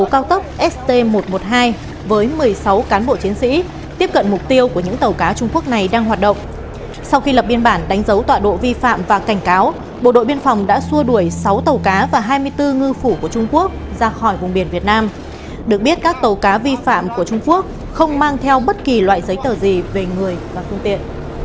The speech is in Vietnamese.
các bạn hãy đăng ký kênh để ủng hộ kênh của chúng mình nhé